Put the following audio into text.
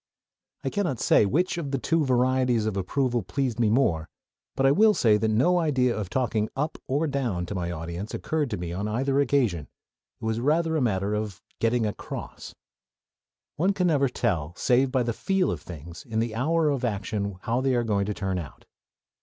I cannot say which of the two varieties of approval pleased me more; but I will say that no idea of talking "up" or "down" to my audience occurred to me on either occasion: it was rather a matter of "getting across." One never can tell save by the "feel" of things in the hour of action how they are going to turn out.